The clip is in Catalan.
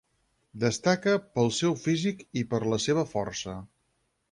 Destaca pel seu físic i per la seva força.